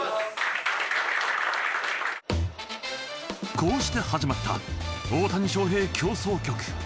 こうして始まった大谷翔平協奏曲。